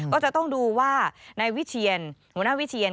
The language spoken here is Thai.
ก็จะต้องดูว่านายวิเชียนหัวหน้าวิเชียน